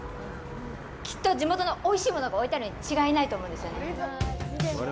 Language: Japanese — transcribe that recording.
きっと地元のおいしいものが置いてあるに違いないと思うんですよね。